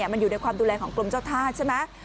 มันอยู่ในความดูแลของกรมเจ้าท่าใช่ไหม